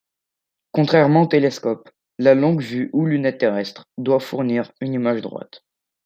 Contrairement au télescope, la longue-vue ou lunette terrestre, doit fournir une image droite.